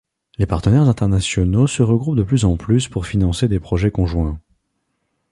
Les partenaires internationaux se regroupent de plus en plus pour financer des projets conjoints.